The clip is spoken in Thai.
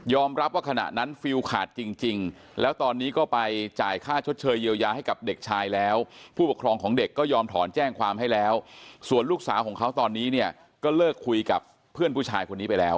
ว่าขณะนั้นฟิลขาดจริงแล้วตอนนี้ก็ไปจ่ายค่าชดเชยเยียวยาให้กับเด็กชายแล้วผู้ปกครองของเด็กก็ยอมถอนแจ้งความให้แล้วส่วนลูกสาวของเขาตอนนี้เนี่ยก็เลิกคุยกับเพื่อนผู้ชายคนนี้ไปแล้ว